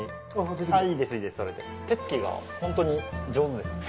手つきがホントに上手ですね。